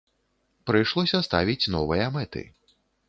Прыйшлося ставіць новыя мэты.